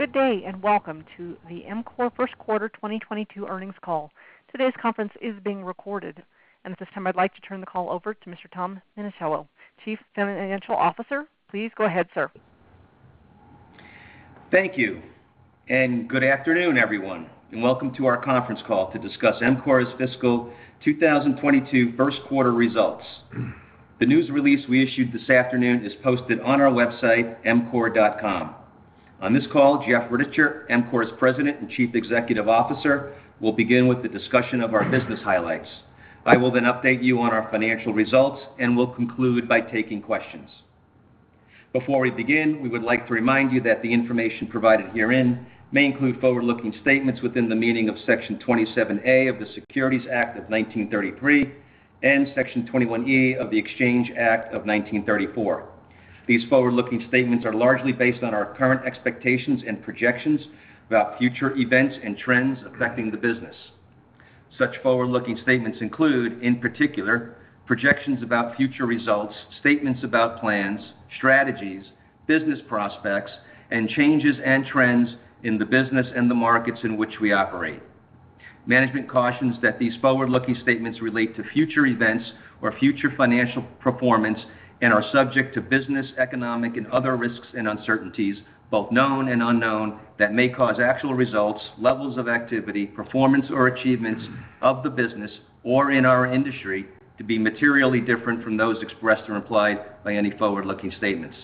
Good day, and welcome to the EMCORE first quarter 2022 earnings call. Today's conference is being recorded. At this time, I'd like to turn the call over to Mr. Tom Minichiello, Chief Financial Officer. Please go ahead, sir. Thank you, and good afternoon, everyone, and welcome to our conference call to discuss EMCORE's fiscal 2022 first quarter results. The news release we issued this afternoon is posted on our website, emcore.com. On this call, Jeff Rittichier, EMCORE's President and Chief Executive Officer, will begin with the discussion of our business highlights. I will then update you on our financial results, and we'll conclude by taking questions. Before we begin, we would like to remind you that the information provided herein may include forward-looking statements within the meaning of Section 27A of the Securities Act of 1933 and Section 21E of the Exchange Act of 1934. These forward-looking statements are largely based on our current expectations and projections about future events and trends affecting the business. Such forward-looking statements include, in particular, projections about future results, statements about plans, strategies, business prospects, and changes and trends in the business and the markets in which we operate. Management cautions that these forward-looking statements relate to future events or future financial performance and are subject to business, economic, and other risks and uncertainties, both known and unknown, that may cause actual results, levels of activity, performance or achievements of the business or in our industry to be materially different from those expressed or implied by any forward-looking statements.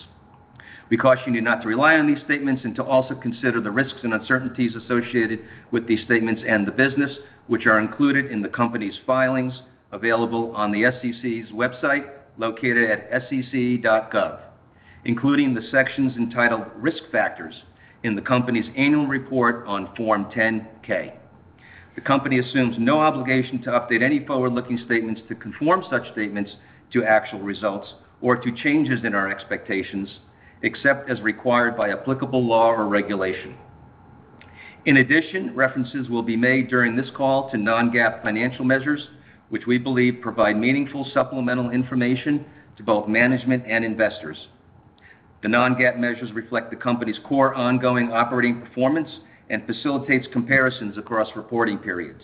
We caution you not to rely on these statements and to also consider the risks and uncertainties associated with these statements and the business, which are included in the company's filings available on the SEC's website located at sec.gov, including the sections entitled Risk Factors in the company's annual report on Form 10-K. The company assumes no obligation to update any forward-looking statements to conform such statements to actual results or to changes in our expectations, except as required by applicable law or regulation. In addition, references will be made during this call to non-GAAP financial measures, which we believe provide meaningful supplemental information to both management and investors. The non-GAAP measures reflect the company's core ongoing operating performance and facilitates comparisons across reporting periods.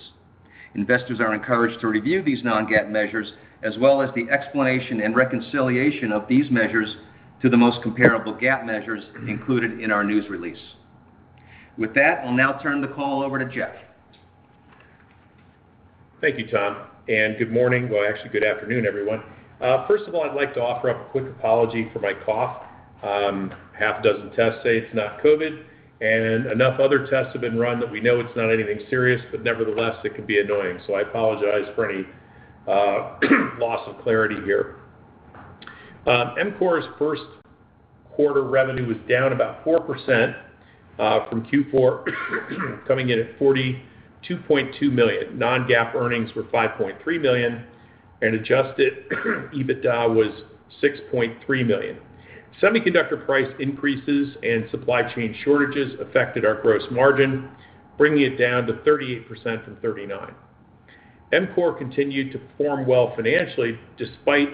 Investors are encouraged to review these non-GAAP measures, as well as the explanation and reconciliation of these measures to the most comparable GAAP measures included in our news release. With that, I'll now turn the call over to Jeff. Thank you, Tom. Good morning. Well, actually, good afternoon, everyone. First of all, I'd like to offer up a quick apology for my cough. Half a dozen tests say it's not COVID, and enough other tests have been run that we know it's not anything serious, but nevertheless, it could be annoying. I apologize for any loss of clarity here. EMCORE's first quarter revenue was down about 4% from Q4, coming in at $42.2 million. Non-GAAP earnings were $5.3 million, and adjusted EBITDA was $6.3 million. Semiconductor price increases and supply chain shortages affected our gross margin, bringing it down to 38% from 39%. EMCORE continued to perform well financially despite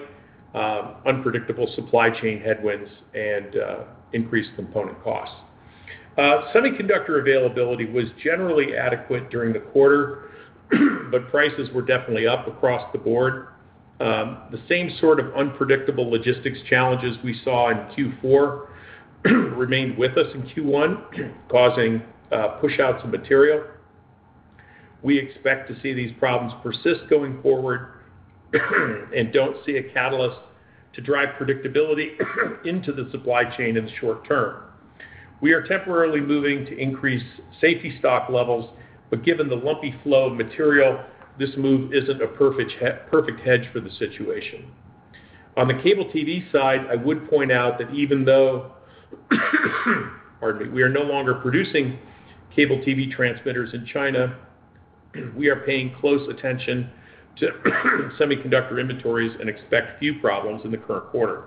unpredictable supply chain headwinds and increased component costs. Semiconductor availability was generally adequate during the quarter, but prices were definitely up across the board. The same sort of unpredictable logistics challenges we saw in Q4 remained with us in Q1 causing pushouts of material. We expect to see these problems persist going forward and don't see a catalyst to drive predictability into the supply chain in the short term. We are temporarily moving to increase safety stock levels, but given the lumpy flow of material, this move isn't a perfect hedge for the situation. On the Cable TV side, I would point out that even though pardon me, we are no longer producing Cable TV transmitters in China, we are paying close attention to semiconductor inventories and expect few problems in the current quarter.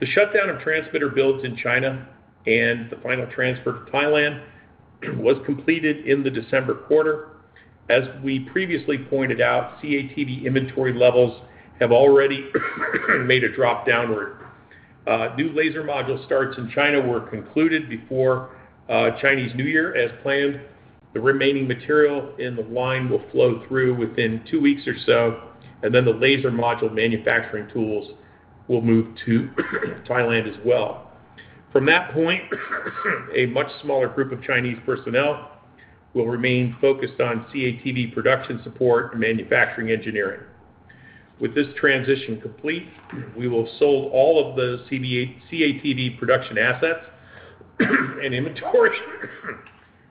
The shutdown of transmitter builds in China and the final transfer to Thailand was completed in the December quarter. As we previously pointed out, CATV inventory levels have already made a drop downward. New laser module starts in China were concluded before Chinese New Year as planned. The remaining material in the line will flow through within two weeks or so, and then the laser module manufacturing tools will move to Thailand as well. From that point, a much smaller group of Chinese personnel will remain focused on CATV production support and manufacturing engineering. With this transition complete, we will sell all of the CATV production assets, and inventory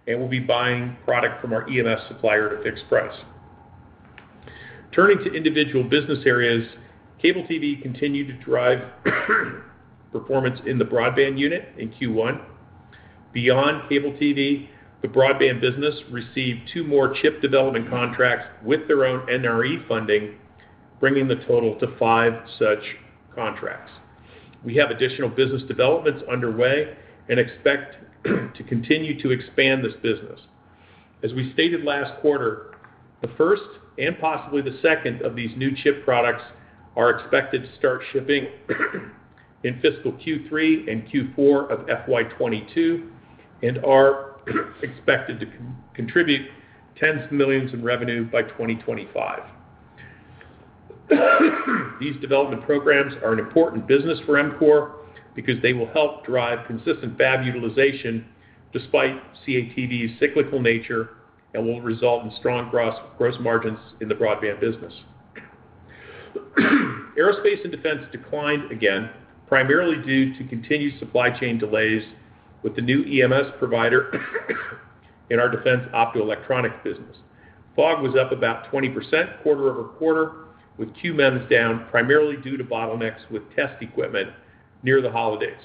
and will be buying product from our EMS supplier at a fixed price. Turning to individual business areas, Cable TV continued to drive performance in the broadband unit in Q1. Beyond Cable TV, the broadband business received two more chip development contracts with their own NRE funding, bringing the total to five such contracts. We have additional business developments underway and expect to continue to expand this business. As we stated last quarter, the first and possibly the second of these new chip products are expected to start shipping in fiscal Q3 and Q4 of FY 2022, and are expected to contribute tens of millions in revenue by 2025. These development programs are an important business for EMCORE because they will help drive consistent fab utilization despite CATV's cyclical nature, and will result in strong gross margins in the broadband business. Aerospace and Defense declined again, primarily due to continued supply chain delays with the new EMS provider in our defense optoelectronics business. FOG was up about 20% quarter-over-quarter, with QMEMS down primarily due to bottlenecks with test equipment near the holidays.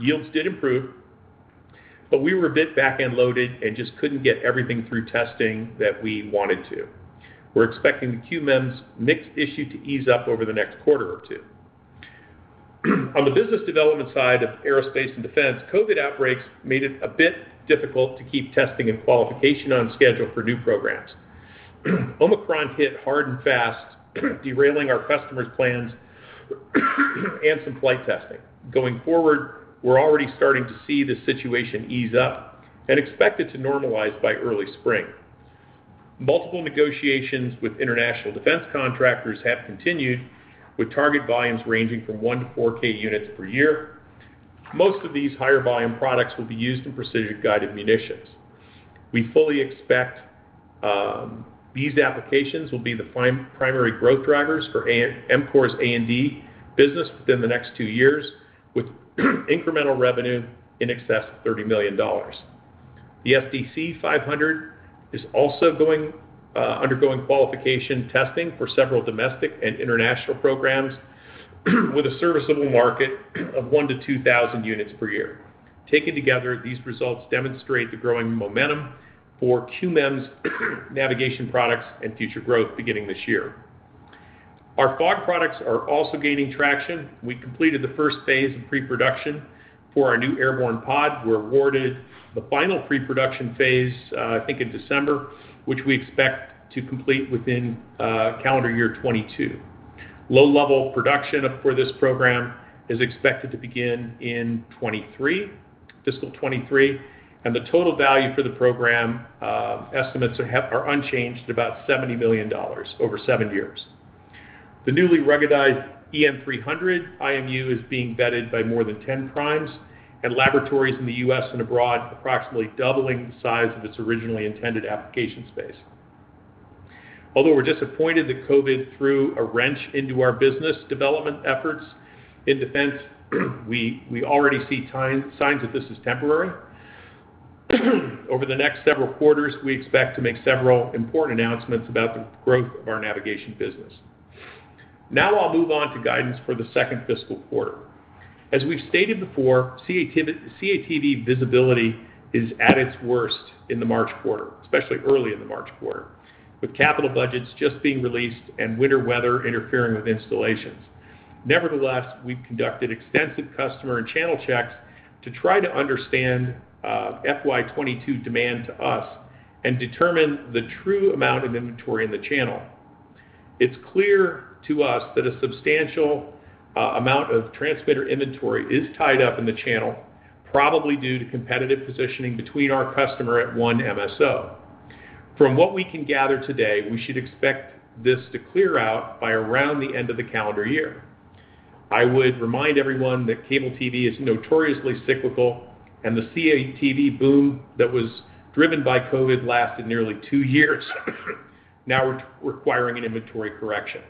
Yields did improve, but we were a bit back-end loaded and just couldn't get everything through testing that we wanted to. We're expecting the QMEMS mix issue to ease up over the next quarter or two. On the business development side of Aerospace and Defense, COVID outbreaks made it a bit difficult to keep testing and qualification on schedule for new programs. Omicron hit hard and fast, derailing our customers' plans and some flight testing. Going forward, we're already starting to see the situation ease up and expect it to normalize by early spring. Multiple negotiations with international defense contractors have continued, with target volumes ranging from 1K-4K units per year. Most of these higher volume products will be used in precision-guided munitions. We fully expect these applications will be the primary growth drivers for EMCORE's A&D business within the next two years, with incremental revenue in excess of $30 million. The SDC500 is also undergoing qualification testing for several domestic and international programs with a serviceable market of 1,000-2,000 units per year. Taken together, these results demonstrate the growing momentum for QMEMS navigation products and future growth beginning this year. Our FOG products are also gaining traction. We completed the first phase of pre-production for our new airborne pod. We're awarded the final pre-production phase, I think in December, which we expect to complete within calendar year 2022. Low-level production for this program is expected to begin in 2023, fiscal 2023, and the total value for the program estimates are unchanged at about $70 million over seven years. The newly ruggedized EN-300 IMU is being vetted by more than 10 primes, and laboratories in the U.S. and abroad, approximately doubling the size of its originally intended application space. Although we're disappointed that COVID threw a wrench into our business development efforts in Defense, we already see signs that this is temporary. Over the next several quarters, we expect to make several important announcements about the growth of our navigation business. Now I'll move on to guidance for the second fiscal quarter. As we've stated before, CATV visibility is at its worst in the March quarter, especially early in the March quarter, with capital budgets just being released and winter weather interfering with installations. Nevertheless, we've conducted extensive customer and channel checks to try to understand FY 2022 demand to us and determine the true amount of inventory in the channel. It's clear to us that a substantial amount of transmitter inventory is tied up in the channel, probably due to competitive positioning between our customer at one MSO. From what we can gather today, we should expect this to clear out by around the end of the calendar year. I would remind everyone that cable TV is notoriously cyclical, and the CATV boom that was driven by COVID lasted nearly two years, now requiring an inventory correction.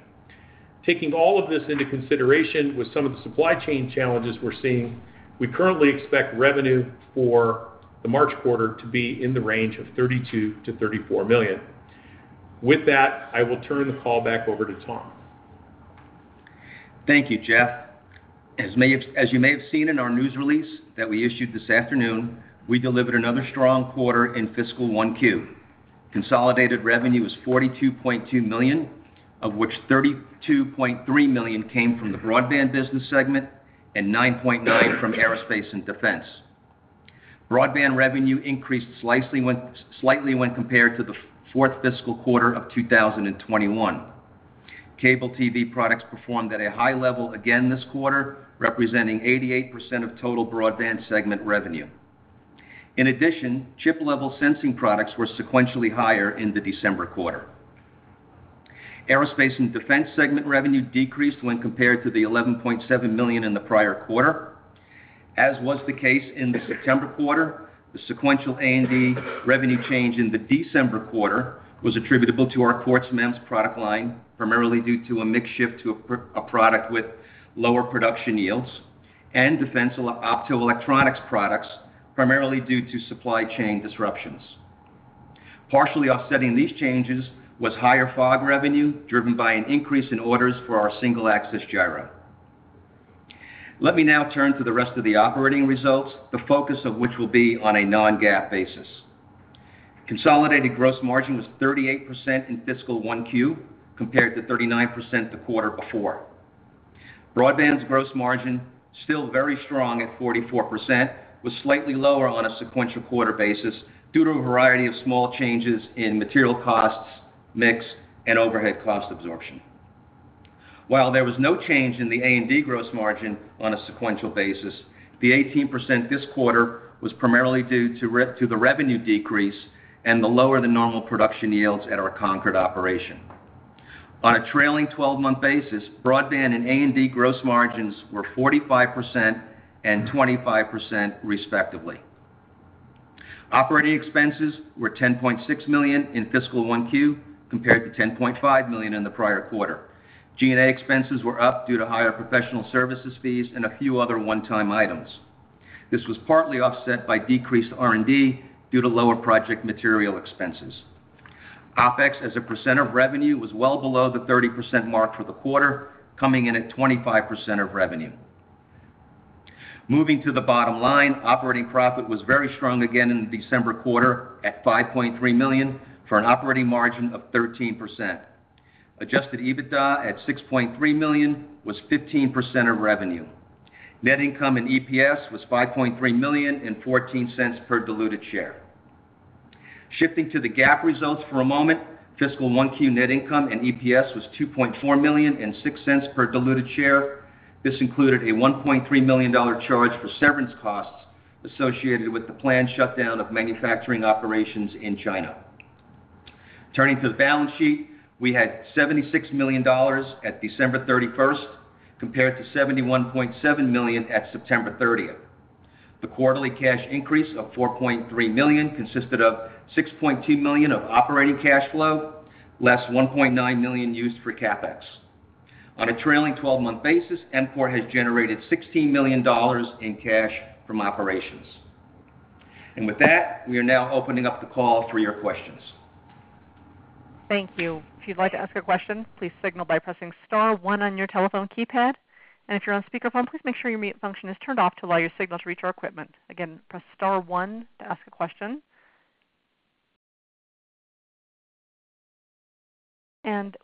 Taking all of this into consideration with some of the supply chain challenges we're seeing, we currently expect revenue for the March quarter to be in the range of $32 million-$34 million. With that, I will turn the call back over to Tom. Thank you, Jeff. As you may have seen in our news release that we issued this afternoon, we delivered another strong quarter in fiscal Q1. Consolidated revenue was $42.2 million, of which $32.3 million came from the Broadband business segment and $9.9 million from Aerospace and Defense. Broadband revenue increased slightly when compared to the fourth fiscal quarter of 2021. Cable TV products performed at a high level again this quarter, representing 88% of total Broadband segment revenue. In addition, chip-level sensing products were sequentially higher in the December quarter. Aerospace and Defense segment revenue decreased when compared to the $11.7 million in the prior quarter. As was the case in the September quarter, the sequential A&D revenue change in the December quarter was attributable to our Quartz MEMS product line, primarily due to a mix shift to a product with lower production yields and defense optoelectronics products, primarily due to supply chain disruptions. Partially offsetting these changes was higher FOG revenue, driven by an increase in orders for our single axis gyro. Let me now turn to the rest of the operating results, the focus of which will be on a non-GAAP basis. Consolidated gross margin was 38% in fiscal Q1, compared to 39% the quarter before. Broadband's gross margin, still very strong at 44%, was slightly lower on a sequential quarter basis due to a variety of small changes in material costs, mix, and overhead cost absorption. While there was no change in the A&D gross margin on a sequential basis, the 18% this quarter was primarily due to the revenue decrease and the lower than normal production yields at our Concord operation. On a trailing twelve-month basis, Broadband and A&D gross margins were 45% and 25% respectively. Operating expenses were $10.6 million in fiscal Q1, compared to $10.5 million in the prior quarter. G&A expenses were up due to higher professional services fees and a few other one-time items. This was partly offset by decreased R&D due to lower project material expenses. OpEx as a percent of revenue was well below the 30% mark for the quarter, coming in at 25% of revenue. Moving to the bottom line, operating profit was very strong again in the December quarter at $5.3 million for an operating margin of 13%. Adjusted EBITDA at $6.3 million was 15% of revenue. Net income and EPS was $5.3 million and $0.14 per diluted share. Shifting to the GAAP results for a moment, fiscal Q1 net income and EPS was $2.4 million and $0.06 per diluted share. This included a $1.3 million charge for severance costs associated with the planned shutdown of manufacturing operations in China. Turning to the balance sheet, we had $76 million at December 31, compared to $71.7 million at September 30. The quarterly cash increase of $4.3 million consisted of $6.2 million of operating cash flow, less $1.9 million used for CapEx. On a trailing twelve-month basis, EMCORE has generated $16 million in cash from operations. With that, we are now opening up the call for your questions. Thank you. If you'd like to ask a question, please signal by pressing star one on your telephone keypad. If you're on speakerphone, please make sure your mute function is turned off to allow your signal to reach our equipment. Again, press star one to ask a question.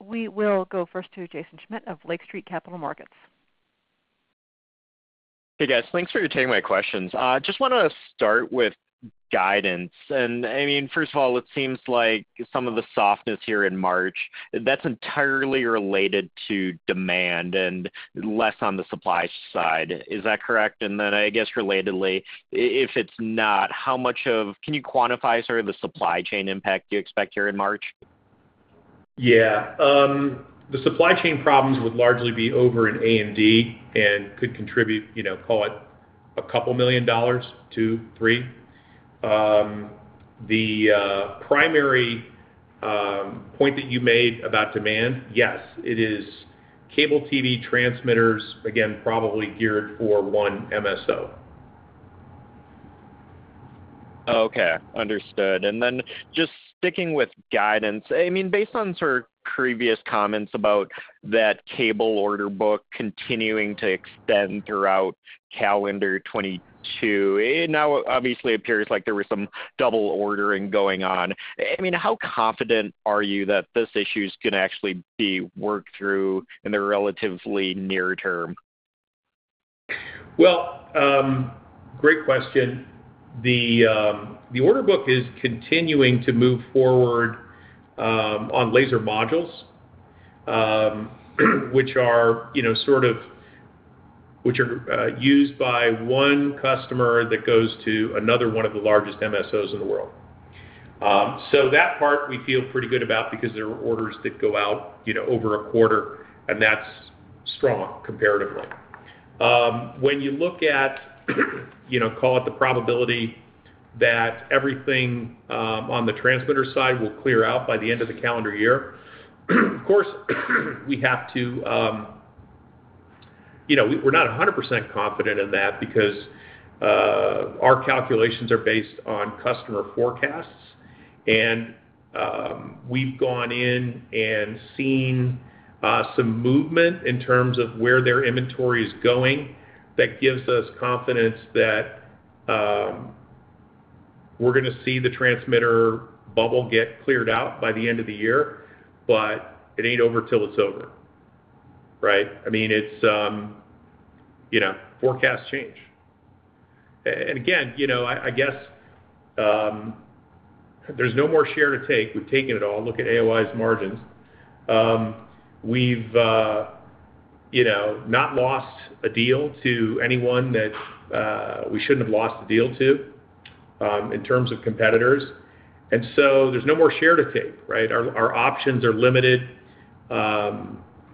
We will go first to Jaeson Schmidt of Lake Street Capital Markets. Hey, guys. Thanks for taking my questions. I just wanna start with guidance. I mean, first of all, it seems like some of the softness here in March, that's entirely related to demand and less on the supply side. Is that correct? Then, I guess relatedly, if it's not, can you quantify sort of the supply chain impact you expect here in March? Yeah. The supply chain problems would largely be over in A&D and could contribute, you know, call it a couple million dollars, $2-$3 million. The primary point that you made about demand, yes, it is cable TV transmitters, again, probably geared for one MSO. Okay. Understood. Just sticking with guidance, I mean, based on sort of previous comments about that cable order book continuing to extend throughout calendar 2022, it now obviously appears like there was some double ordering going on. I mean, how confident are you that this issue is gonna actually be worked through in the relatively near term? Well, great question. The order book is continuing to move forward on laser modules, which are, you know, used by one customer that goes to another one of the largest MSOs in the world. So that part we feel pretty good about because there are orders that go out, you know, over a quarter, and that's strong comparatively. When you look at you know, call it the probability that everything on the transmitter side will clear out by the end of the calendar year, of course, we have to. You know, we're not 100% confident in that because our calculations are based on customer forecasts. We've gone in and seen some movement in terms of where their inventory is going that gives us confidence that we're gonna see the transmitter bubble get cleared out by the end of the year, but it ain't over till it's over, right? I mean, it's you know, forecasts change. Again, you know, I guess, there's no more share to take. We've taken it all. Look at AOI's margins. We've you know, not lost a deal to anyone that we shouldn't have lost the deal to, in terms of competitors. There's no more share to take, right? Our options are limited,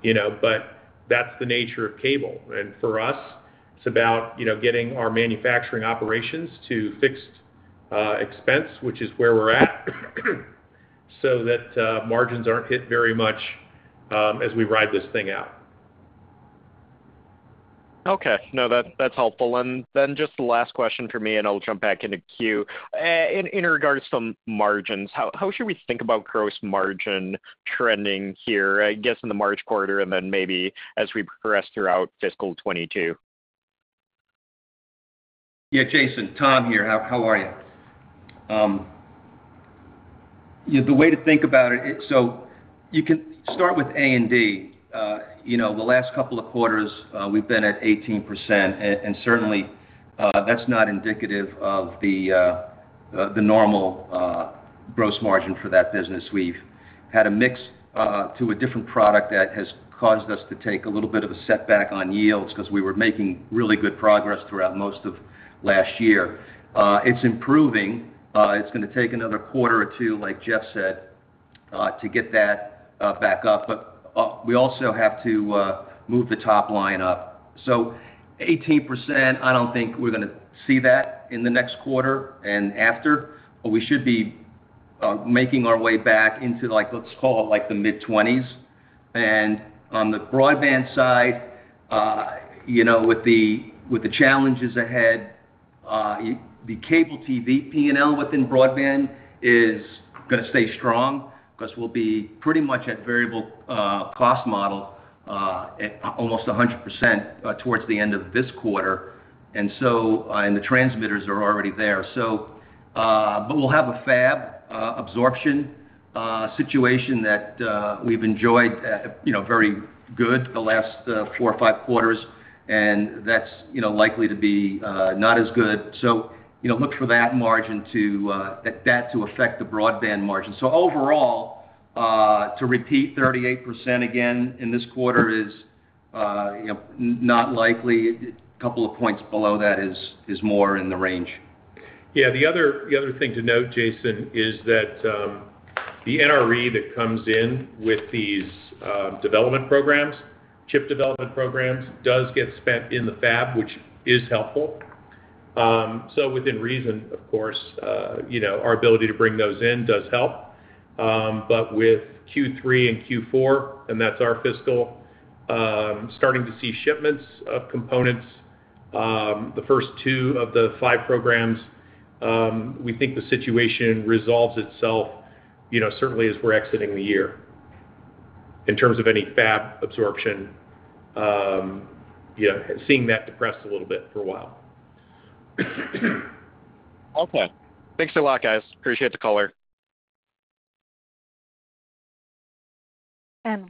you know, but that's the nature of cable. For us, it's about, you know, getting our manufacturing operations to fixed expense, which is where we're at, so that margins aren't hit very much, as we ride this thing out. Okay. No, that's helpful. Just the last question from me, and I'll jump back in the queue. In regards to margins, how should we think about gross margin trending here, I guess, in the March quarter and then maybe as we progress throughout fiscal 2022? Yeah, Jaeson, Tom here. How are you? Yeah, the way to think about it is, so you can start with A&D. You know, the last couple of quarters, we've been at 18%. Certainly, that's not indicative of the normal gross margin for that business. We've had a mix to a different product that has caused us to take a little bit of a setback on yields because we were making really good progress throughout most of last year. It's improving. It's gonna take another quarter or two, like Jeff said, to get that back up. We also have to move the top line up. 18%, I don't think we're gonna see that in the next quarter and after, but we should be making our way back into, like, let's call it, like, the mid-20s. On the broadband side, you know, with the challenges ahead, the cable TV P&L within broadband is gonna stay strong because we'll be pretty much at variable cost model at almost 100% towards the end of this quarter. The transmitters are already there, so. But we'll have a fab absorption situation that we've enjoyed, you know, very good the last 4 or 5 quarters, and that's, you know, likely to be not as good. Look for that to affect the broadband margin. Overall, to repeat 38% again in this quarter is, you know, not likely. A couple of points below that is more in the range. Yeah. The other thing to note, Jaeson, is that the NRE that comes in with these development programs, chip development programs, does get spent in the fab, which is helpful. Within reason, of course, you know, our ability to bring those in does help. With Q3 and Q4, and that's our fiscal, starting to see shipments of components, the first two of the five programs, we think the situation resolves itself, you know, certainly as we're exiting the year in terms of any fab absorption. You know, seeing that depress a little bit for a while. Okay. Thanks a lot, guys. Appreciate the color.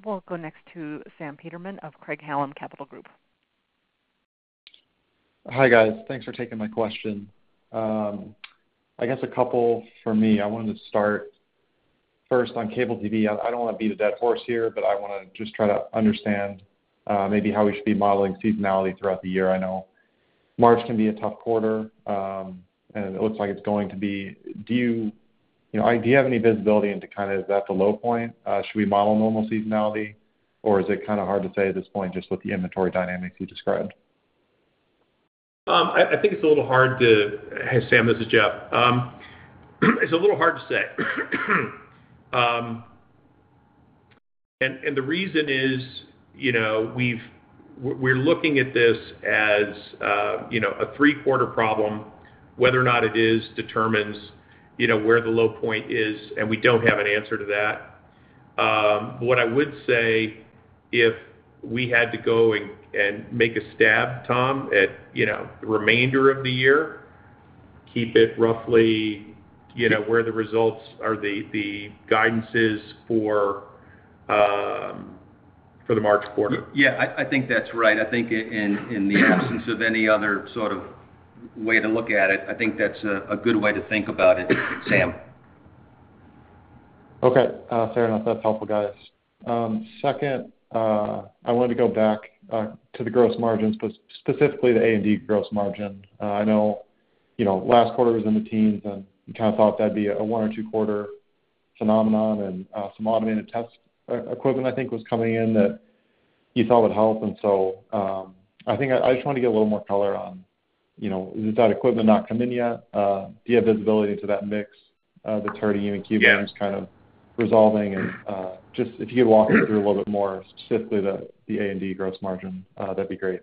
We'll go next to Sam Peterman of Craig-Hallum Capital Group. Hi, guys. Thanks for taking my question. I guess a couple for me. I wanted to start first on cable TV. I don't wanna beat a dead horse here, but I wanna just try to understand maybe how we should be modeling seasonality throughout the year. I know March can be a tough quarter, and it looks like it's going to be. You know, do you have any visibility into kind of is that the low point? Should we model normal seasonality, or is it kinda hard to say at this point just with the inventory dynamics you described? I think it's a little hard. Hey, Sam, this is Jeff. It's a little hard to say. The reason is, you know, we're looking at this as, you know, a three-quarter problem. Whether or not it is determines, you know, where the low point is, and we don't have an answer to that. What I would say if we had to go and make a stab, Tom, at, you know, the remainder of the year, keep it roughly, you know, where the results or the guidance is for the March quarter. Yeah. I think that's right. I think in the absence of any other sort of way to look at it, I think that's a good way to think about it, Sam. Okay. Fair enough. That's helpful, guys. Second, I wanted to go back to the gross margins, but specifically the A&D gross margin. I know, you know, last quarter was in the teens, and you kinda thought that'd be a one or two quarter phenomenon and some automated test equipment I think was coming in that you thought would help. I think I just wanted to get a little more color on, you know, is that equipment not come in yet? Do you have visibility into that mix, the 30-unit queue kind of resolving? Just if you could walk me through a little bit more specifically the A&D gross margin, that'd be great.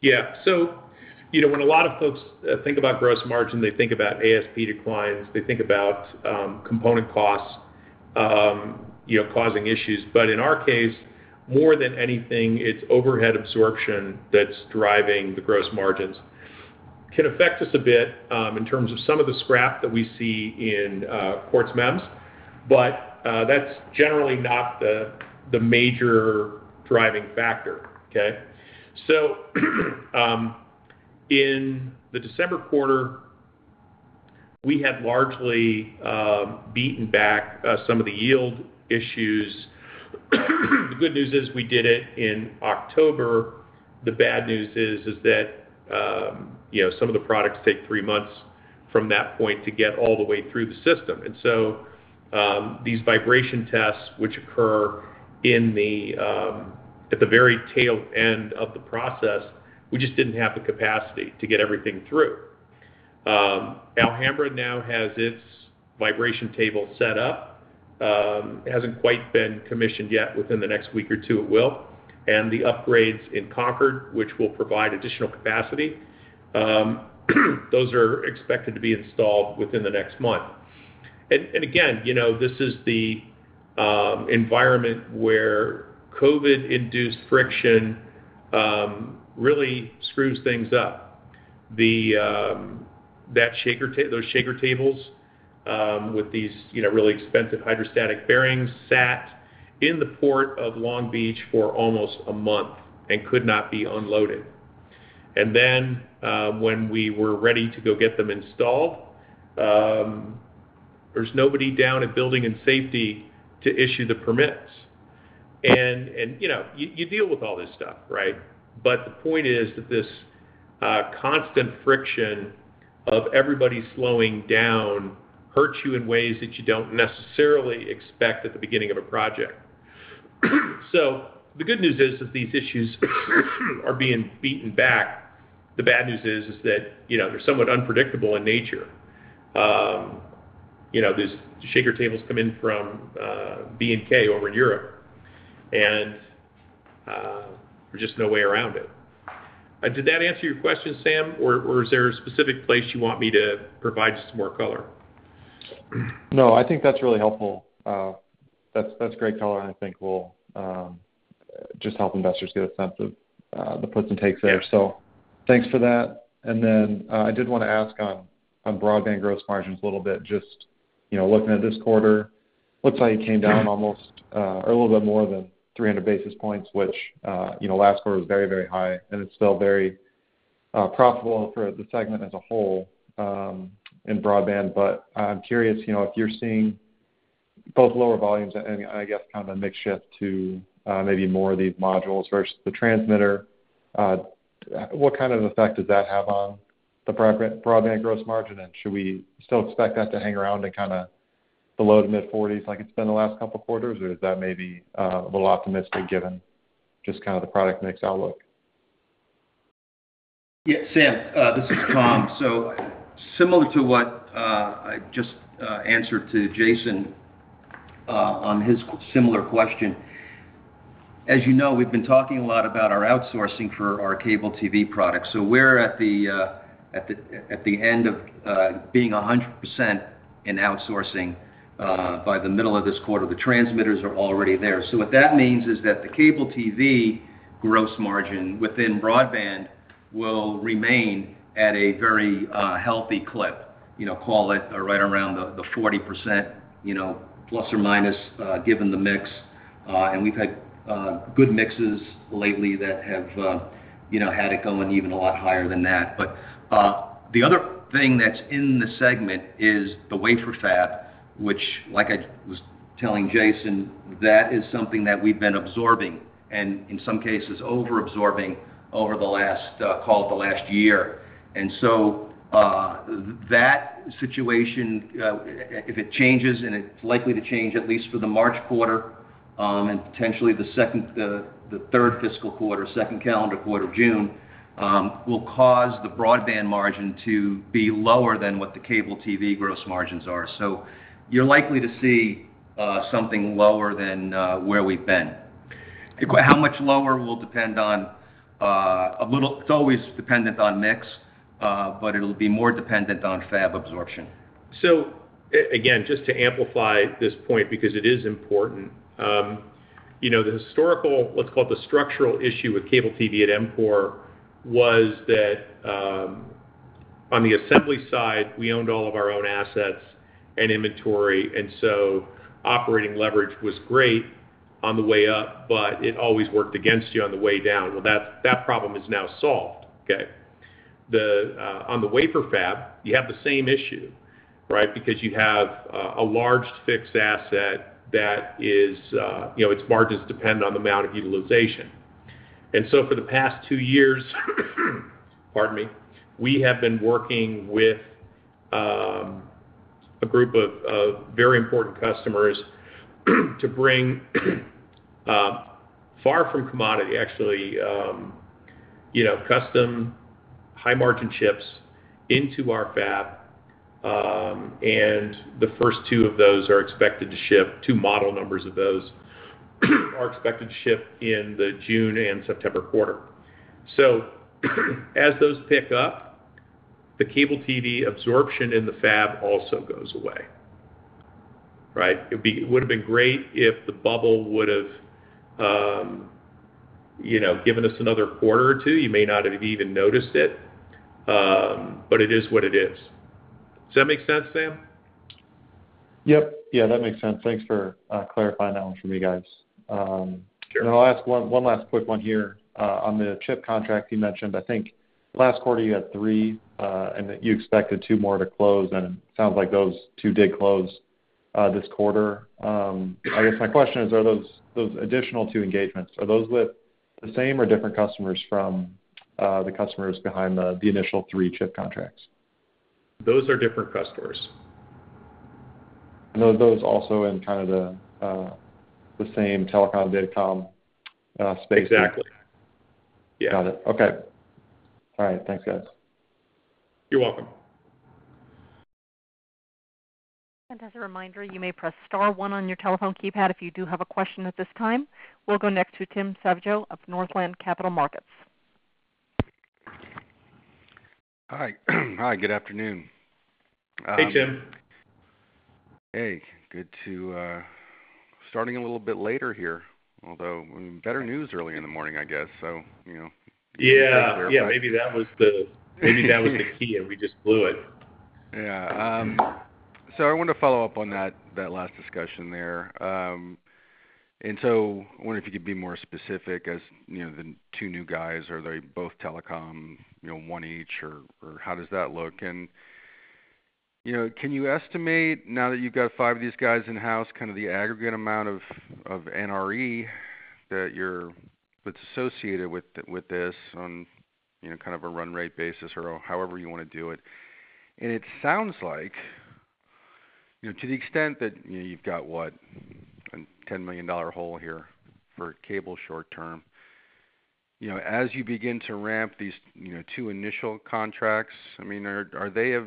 Yeah. You know, when a lot of folks think about gross margin, they think about ASP declines. They think about component costs, you know, causing issues. In our case, more than anything, it's overhead absorption that's driving the gross margins. It can affect us a bit in terms of some of the scrap that we see in Quartz MEMS, but that's generally not the major driving factor. Okay. In the December quarter, we had largely beaten back some of the yield issues. The good news is we did it in October. The bad news is that you know, some of the products take three months from that point to get all the way through the system. These vibration tests which occur in the at the very tail end of the process, we just didn't have the capacity to get everything through. Alhambra now has its vibration table set up. It hasn't quite been commissioned yet. Within the next week or two, it will. Again, you know, this is the environment where COVID-induced friction really screws things up. Those shaker tables with these, you know, really expensive hydrostatic bearings sat in the port of Long Beach for almost a month and could not be unloaded. When we were ready to go get them installed, there's nobody down at Building and Safety to issue the permits. You know, you deal with all this stuff, right? The point is that this constant friction of everybody slowing down hurts you in ways that you don't necessarily expect at the beginning of a project. The good news is these issues are being beaten back. The bad news is that, you know, they're somewhat unpredictable in nature. You know, these shaker tables come in from B&K over in Europe, and there's just no way around it. Did that answer your question, Sam, or is there a specific place you want me to provide just more color? No, I think that's really helpful. That's great color, and I think will just help investors get a sense of the puts and takes there. Thanks for that. I did wanna ask on broadband gross margins a little bit. Just, you know, looking at this quarter, looks like it came down almost, or a little bit more than 300 basis points, which, you know, last quarter was very, very high, and it's still very profitable for the segment as a whole, in broadband. But I'm curious, you know, if you're seeing both lower volumes and I guess kind of a mix shift to, maybe more of these modules versus the transmitter, what kind of effect does that have on the broadband gross margin? And should we still expect that to hang around in kinda the low- to mid-40s% like it's been the last couple of quarters, or is that maybe a little optimistic given just kind of the product mix outlook? Yeah, Sam, this is Tom. Similar to what I just answered to Jason on his similar question. As you know, we've been talking a lot about our outsourcing for our cable TV products. We're at the end of being 100% in outsourcing by the middle of this quarter. The transmitters are already there. What that means is that the cable TV gross margin within broadband will remain at a very healthy clip. You know, call it right around the 40%, you know, ±, given the mix. We've had good mixes lately that have you know had it going even a lot higher than that. The other thing that's in the segment is the wafer fab, which like I was telling Jaeson, that is something that we've been absorbing and in some cases over-absorbing over the last, call it the last year. That situation, if it changes, and it's likely to change, at least for the March quarter, and potentially the third fiscal quarter, second calendar quarter, June, will cause the broadband margin to be lower than what the cable TV gross margins are. You're likely to see something lower than where we've been. How much lower will depend on a little—it's always dependent on mix, but it'll be more dependent on fab absorption. Again, just to amplify this point because it is important, you know, the historical, let's call it the structural issue with cable TV at EMCORE was that, on the assembly side, we owned all of our own assets and inventory, and so operating leverage was great on the way up, but it always worked against you on the way down. Well, that problem is now solved, okay? Then, on the wafer fab, you have the same issue, right? Because you have a large fixed asset that is, you know, its margins depend on the amount of utilization. For the past two years, pardon me, we have been working with a group of very important customers to bring far from commodity, actually, you know, custom high-margin chips into our fab. The first two of those are expected to ship. Two model numbers of those are expected to ship in the June and September quarter. As those pick up, the cable TV absorption in the fab also goes away, right? It would've been great if the bubble would've, you know, given us another quarter or two. You may not have even noticed it, but it is what it is. Does that make sense, Sam? Yep. Yeah, that makes sense. Thanks for clarifying that one for me, guys. I'll ask one last quick one here. On the chip contract you mentioned, I think last quarter you had three, and that you expected two more to close, and it sounds like those two did close, this quarter. I guess my question is, are those additional two engagements with the same or different customers from the customers behind the initial three chip contracts? Those are different customers. Are those also in kind of the same telecom, datacom, space basically? Exactly. Yeah. Got it. Okay. All right. Thanks, guys. You're welcome. As a reminder, you may press star one on your telephone keypad if you do have a question at this time. We'll go next to Tim Savageaux of Northland Capital Markets. Hi. Hi, good afternoon. Hey, Tim. Hey, starting a little bit later here, although better news early in the morning, I guess so, you know. Yeah. Maybe that was the key, and we just blew it. Yeah. I wanted to follow up on that last discussion there. I wonder if you could be more specific as, you know, the two new guys. Are they both telecom, you know, one each or how does that look? You know, can you estimate now that you've got five of these guys in-house, kind of the aggregate amount of NRE that's associated with this on, you know, kind of a run rate basis or however you wanna do it. It sounds like, you know, to the extent that, you know, you've got, what, a $10 million hole here for cable short term. You know, as you begin to ramp these, you know, two initial contracts, I mean, are they of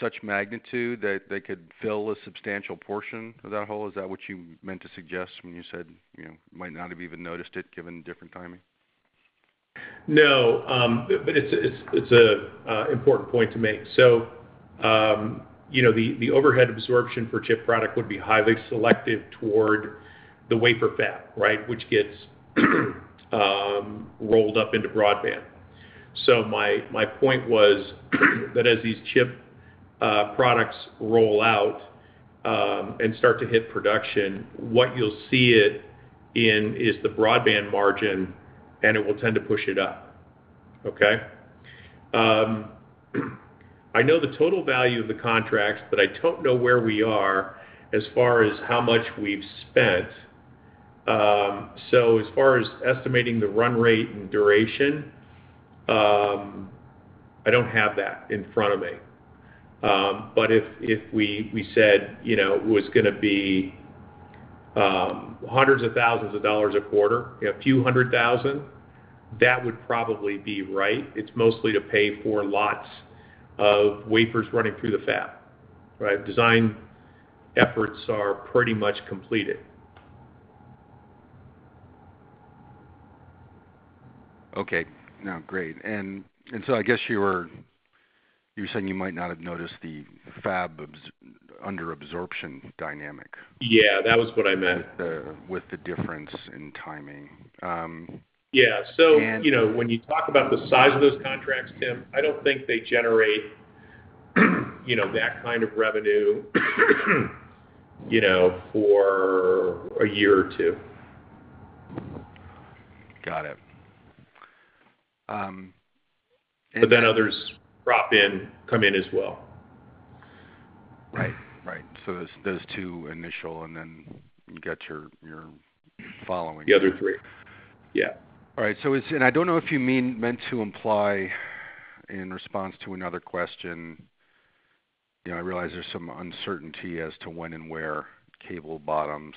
such magnitude that they could fill a substantial portion of that hole? Is that what you meant to suggest when you said, you know, might not have even noticed it given different timing? No, but it's an important point to make. You know, the overhead absorption for chip product would be highly selective toward the wafer fab, right, which gets rolled up into broadband. My point was that as these chip products roll out and start to hit production, what you'll see it in is the broadband margin, and it will tend to push it up. Okay? I know the total value of the contracts, but I don't know where we are as far as how much we've spent. As far as estimating the run rate and duration, I don't have that in front of me. If we said, you know, it was gonna be hundreds of thousands of dollars a quarter, a few hundred thousand, that would probably be right. It's mostly to pay for lots of wafers running through the fab, right? Design efforts are pretty much completed. Okay. No, great. I guess you were saying you might not have noticed the fab underabsorption dynamic. Yeah, that was what I meant. With the difference in timing. Yeah. And- You know, when you talk about the size of those contracts, Tim, I don't think they generate, you know, that kind of revenue, you know, for a year or two. Got it. Others drop in, come in as well. Right. Those two initial, and then you got your following. The other three. Yeah. All right. I don't know if you meant to imply in response to another question, you know, I realize there's some uncertainty as to when and where cable bottoms.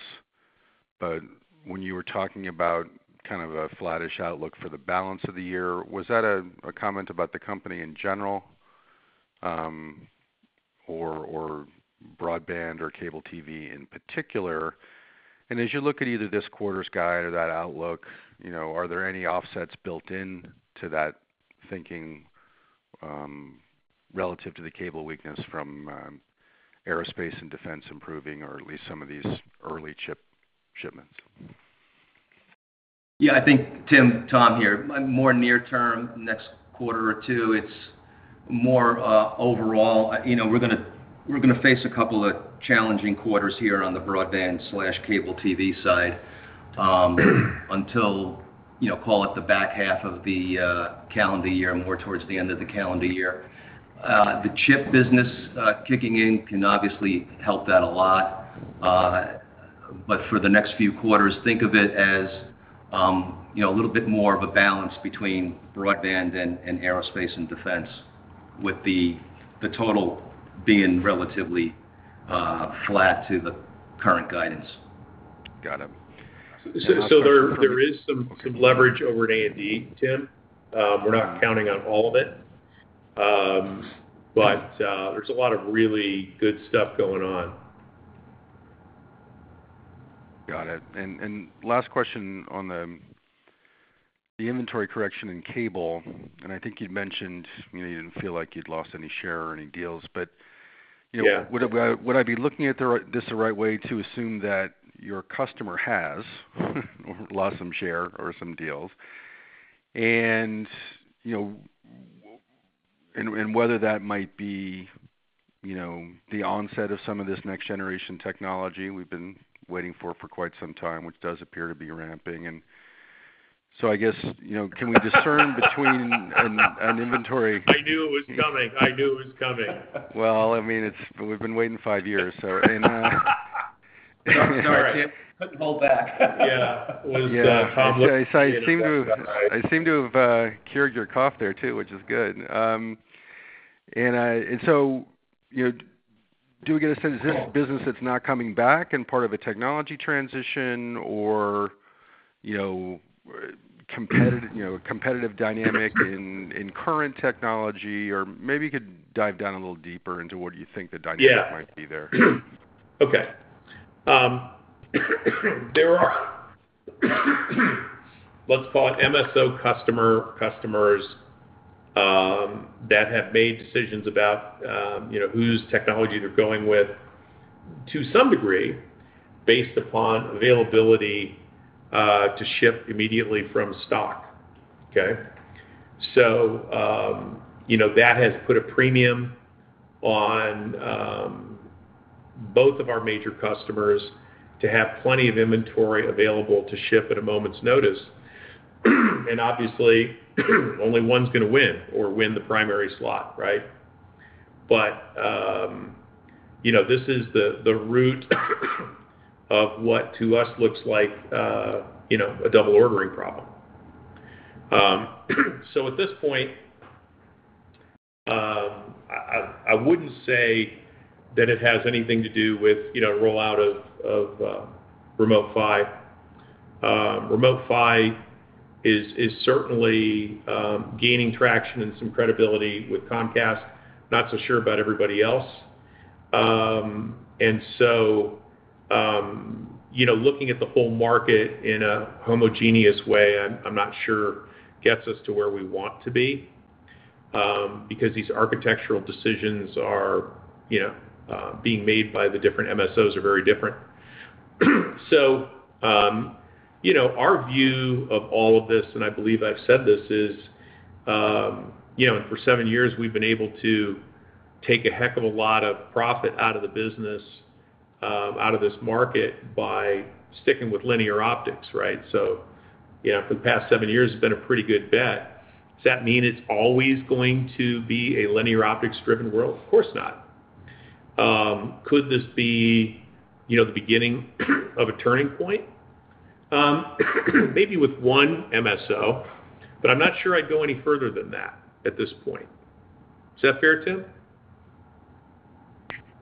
But when you were talking about kind of a flattish outlook for the balance of the year, was that a comment about the company in general, or broadband or cable TV in particular? As you look at either this quarter's guide or that outlook, you know, are there any offsets built into that thinking, relative to the cable weakness from aerospace and defense improving or at least some of these early chip shipments? Yeah, I think, Tim. Tom here. More near term, next quarter or two, it's more overall. You know, we're gonna face a couple of challenging quarters here on the broadband/cable TV side, until, you know, call it the back half of the calendar year, more towards the end of the calendar year. The chip business kicking in can obviously help that a lot. For the next few quarters, think of it as, you know, a little bit more of a balance between broadband and aerospace and defense, with the total being relatively flat to the current guidance. Got it. There is some leverage over at A&D, Tim. We're not counting on all of it. There's a lot of really good stuff going on. Got it. Last question on the inventory correction in cable, and I think you'd mentioned you didn't feel like you'd lost any share or any deals. But you know, would I be looking at it the right way to assume that your customer has lost some share or some deals? You know, whether that might be the onset of some of this next generation technology we've been waiting for quite some time, which does appear to be ramping. I guess, you know, can we discern between an inventory- I knew it was coming. I knew it was coming. Well, I mean, it's we've been waiting five years. Sorry, Tim. Couldn't hold back. Yeah. It was, Tom's looking at me. I seem to have cured your cough there, too, which is good. You know, do we get a sense this is business that's not coming back and part of a technology transition or, you know, competitive dynamic in current technology? Maybe you could dive down a little deeper into what you think the dynamic might be there. Yeah. Okay. Let's call it MSO customers that have made decisions about, you know, whose technology they're going with to some degree based upon availability to ship immediately from stock. Okay? You know, that has put a premium on both of our major customers to have plenty of inventory available to ship at a moment's notice. Obviously, only one's gonna win the primary slot, right? You know, this is the root of what to us looks like, you know, a double ordering problem. At this point, I wouldn't say that it has anything to do with, you know, rollout of Remote PHY. Remote PHY is certainly gaining traction and some credibility with Comcast, not so sure about everybody else. You know, looking at the whole market in a homogeneous way, I'm not sure gets us to where we want to be, because these architectural decisions are, you know, being made by the different MSOs are very different. You know, our view of all of this, and I believe I've said this, is, you know, and for seven years, we've been able to take a heck of a lot of profit out of the business, out of this market by sticking with linear optics, right? You know, for the past seven years, it's been a pretty good bet. Does that mean it's always going to be a linear optics-driven world? Of course not. Could this be, you know, the beginning of a turning point? Maybe with one MSO, but I'm not sure I'd go any further than that at this point. Is that fair, Tim?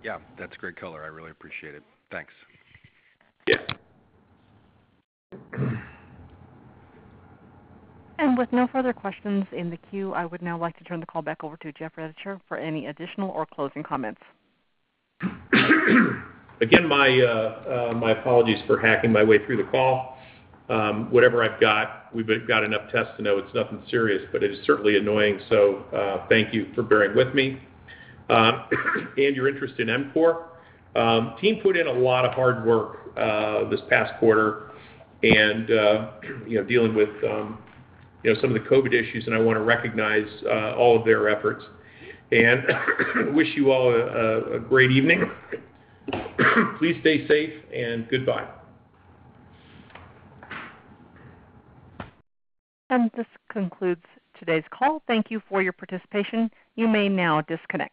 Yeah, that's great color. I really appreciate it. Thanks. Yeah. With no further questions in the queue, I would now like to turn the call back over to Jeff Rittichier for any additional or closing comments. Again, my apologies for hacking my way through the call. Whatever I've got, we've got enough tests to know it's nothing serious, but it is certainly annoying. Thank you for bearing with me, and your interest in EMCORE. Team put in a lot of hard work this past quarter and, you know, dealing with, you know, some of the COVID issues, and I wanna recognize all of their efforts. Wish you all a great evening. Please stay safe and goodbye. This concludes today's call. Thank you for your participation. You may now disconnect.